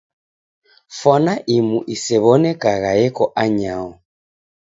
Fwana imu isew'onekagha eko anyaho.